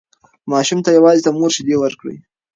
ماشوم ته یوازې د مور شیدې ورکړئ.